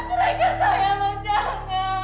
jangan owlah saya mas jangan